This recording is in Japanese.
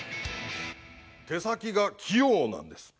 手先が器用なんです。